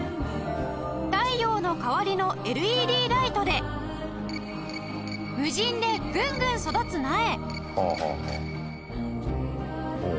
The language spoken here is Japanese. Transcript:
太陽の代わりの ＬＥＤ ライトで無人でぐんぐん育つ苗